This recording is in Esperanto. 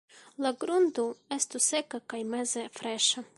La grundo estu seka kaj meze freŝa.